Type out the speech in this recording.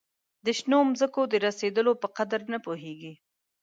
د شنو مځکو د رسېدلو په قدر نه پوهیږي.